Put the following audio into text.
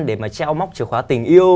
để mà treo móc chìa khóa tình yêu